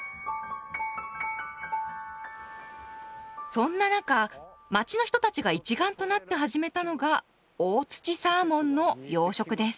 そんな中町の人たちが一丸となって始めたのが「大サーモン」の養殖です。